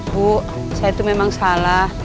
bu saya itu memang salah